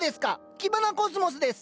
キバナコスモスです。